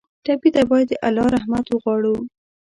ټپي ته باید د الله رحمت وغواړو.